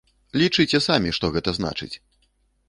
Лічыце самі, што гэта значыць!